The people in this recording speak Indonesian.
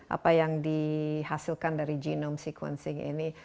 apa yang dihasilkan dari genome sequencing ini